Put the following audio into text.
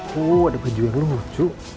wuh ada baju yang lucu